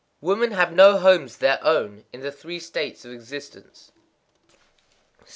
_ Women have no homes of their own in the Three States of Existence. 71.